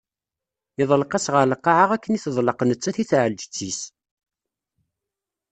Yeḍleq-as ɣer lqaɛa akken i teḍleq nettat i tɛelǧet-is.